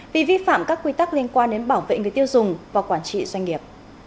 vì vi phạm các quy tắc liên quan đến bảo vệ người tiêu dùng và quản trị doanh nghiệp